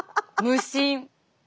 無心？